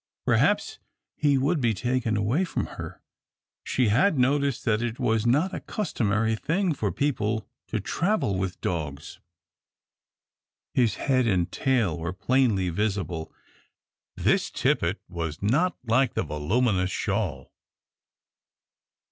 Perhaps he would be taken away from her. She had noticed that it was not a customary thing for people to travel with dogs. His head and tail were plainly visible this tippet was not like the voluminous shawl.